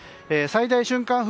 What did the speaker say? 最大瞬間